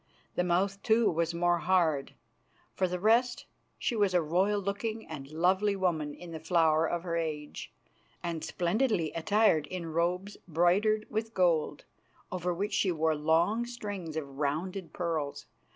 The mouth, too, was more hard. For the rest, she was a royal looking and lovely woman in the flower of her age, and splendidly attired in robes broidered with gold, over which she wore long strings of rounded pearls.